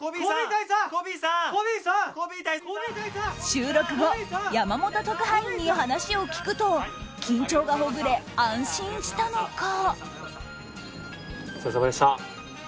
収録後、山本特派員に話を聞くと緊張がほぐれ、安心したのか。